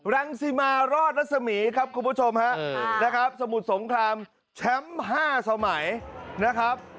รังสิมารอดรัศมีครับคุณผู้ชมฮะนะครับสมุทรสงครามแชมป์๕สมัยนะครับ